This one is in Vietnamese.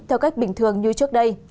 theo cách bình thường như trước đây